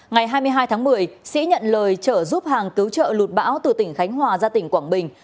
ngày hai mươi hai tháng một mươi sĩ nhận lời trở giúp hàng cứu trợ lụt bão từ tỉnh khánh hòa ra tỉnh quảng bình